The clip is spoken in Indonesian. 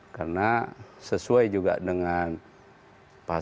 karena sesuai juga dengan pasal tujuh belas undang undang ini